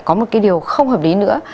có một cái điều không hợp lý nữa